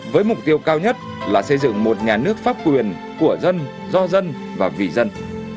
với mục tiêu cao nhất là xây dựng một nhà nước pháp quyền của dân do dân và vì dân